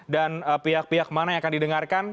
dan pihak pihak mana yang akan didengarkan